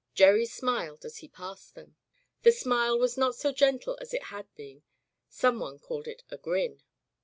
Gerry smiled as he passed them. The smile was not so gentle as it had been. Someone called it a grin.